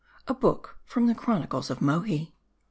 A." BOOK FROM THE CHRONICLES OF MOHI.